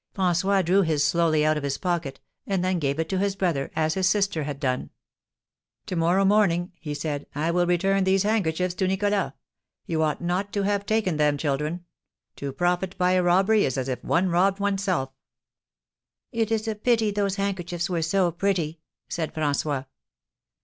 François drew his slowly out of his pocket, and then gave it to his brother, as his sister had done. "To morrow morning," he said, "I will return these handkerchiefs to Nicholas. You ought not to have taken them, children. To profit by a robbery is as if one robbed oneself." "It is a pity those handkerchiefs were so pretty!" said François.